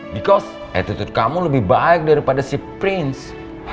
bekos attitude kamu lebih baik daripada si prince